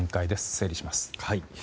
整理します。